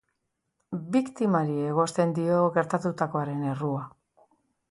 Biktimari egozten dio gertatutakoaren errua.